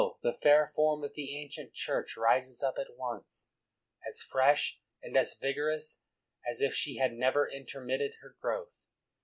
the fair form of the Ancient Church rises up at once, as fresh and as vig orous as if she had never intermitted her growth.